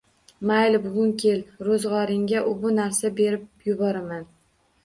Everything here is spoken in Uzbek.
Mayli, bugun kel, ro`zg`oringga u-bu narsa berib yuboraman